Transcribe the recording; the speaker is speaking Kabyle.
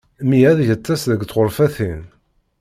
Mmi ad yeṭṭes deg tɣurfatin.